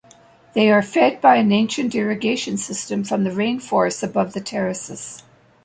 They are fed by an ancient irrigation system from the rainforests above the terraces.